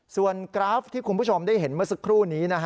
ส่วนกราฟที่คุณผู้ชมได้เห็นเมื่อสักครู่นี้